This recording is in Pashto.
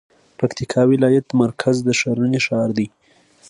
پکتيکا ولايت مرکز د ښرنې ښار دی